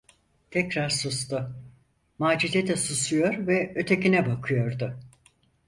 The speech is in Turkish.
Tekrar sustu, Macide de susuyor ve ötekine bakıyordu.